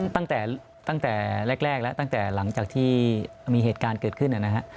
ตั้งแต่แรกแล้วตั้งแต่หลังจากที่มีเหตุการณ์เกิดขึ้น